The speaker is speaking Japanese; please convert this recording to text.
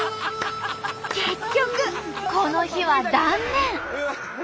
結局この日は断念。